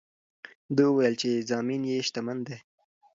ده وویل چې زامن یې شتمن دي.